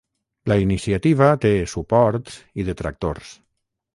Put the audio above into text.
La iniciativa té suports i detractors.